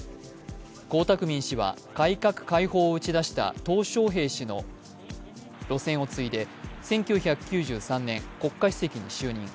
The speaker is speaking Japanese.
江沢民氏は改革開放を打ち出したトウ小平氏の路線を継いで１９９３年、国家主席に就任。